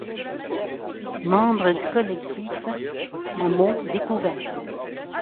Membre du collectif À mots découverts.